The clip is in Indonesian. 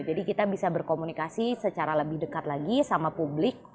jadi kita bisa berkomunikasi secara lebih dekat lagi sama publik